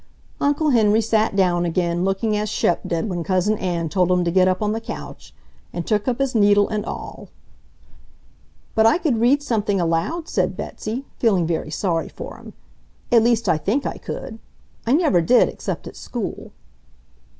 Uncle Henry sat down again, looking as Shep did when Cousin Ann told him to get up on the couch, and took up his needle and awl. "But I could read something aloud," said Betsy, feeling very sorry for him. "At least I think I could. I never did, except at school."